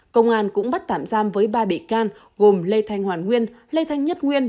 công an cũng bắt tạm giam với ba bị can gồm lê thanh hoàn nguyên lê thanh nhất nguyên